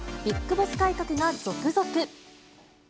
ビッグボス改革が続々。